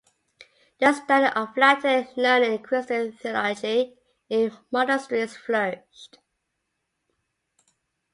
The study of Latin learning and Christian theology in monasteries flourished.